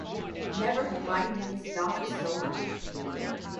Never have my knees knocked so much.